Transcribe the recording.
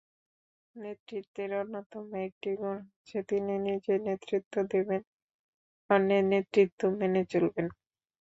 নেতৃত্বের অন্যতম একটি গুণ হচ্ছে, তিনি নিজে নেতৃত্ব দেবেন, অন্যের নেতৃত্ব মেনে চলবেন।